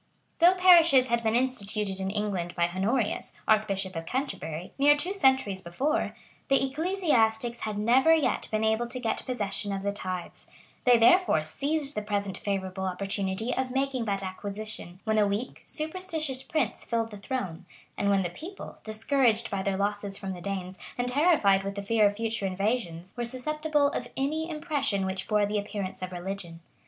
[] Though parishes had been instituted in England by Honorius, archbishop of Canterbury, near two centuries before,[] the ecclesiastics had never yet been able to get possession of the tithes; they therefore seized the present favorable opportunity of making that acquisition; when a weak, superstitious prince filled the throne, and when the people, discouraged by their losses from the Danes, and terrified with the fear of future invasions, were susceptible of any impression which bore the appearance of religion.